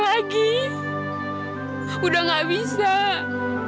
rahim aku diangkat zak